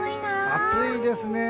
暑いですね。